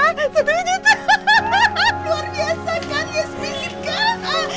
hahaha luar biasa kan yes bingit kan